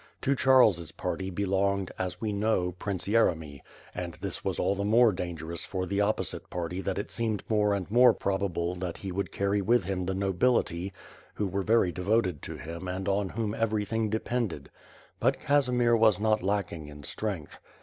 To Charles's party belonged, as we know. Prince Yeremy; and this was all the more dangerous for the opposite party that it seemed more and more probable that he would carry with him the nobility, who were very devoted to him and on whom everything depended; but Casimir was not lack ing in strength.